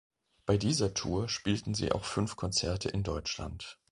Bei dieser Tour spielten sie auch fünf Konzerte in Deutschland.